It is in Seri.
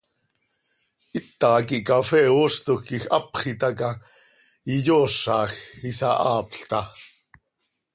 Hita quih cafee ooztoj quij hapx itaca, iyoozaj, isahaapl taa.